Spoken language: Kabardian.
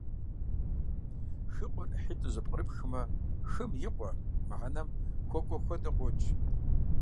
«Хыкъуэр» IыхьитIу зэпкърыпхмэ - «хым и къуэ» мыхьэнэм хуэкIуэ хуэдэу къокI.